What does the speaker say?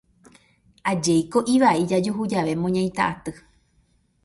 Ajéiko ivai jajuhu jave moñaita aty